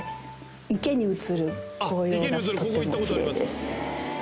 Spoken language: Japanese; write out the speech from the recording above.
池に映る紅葉がとてもきれいです。